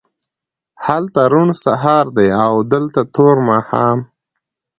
هلته روڼ سهار دی او دلته تور ماښام